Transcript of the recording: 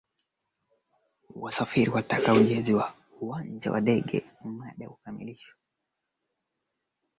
inaaminika kuwa ni moja ya njia